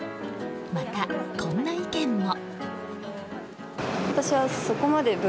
また、こんな意見も。